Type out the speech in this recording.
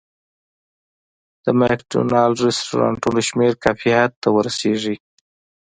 د مک ډونالډ رستورانتونو شمېر کافي حد ته ورسېږي.